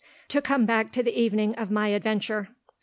To come back to the evening of my adventure.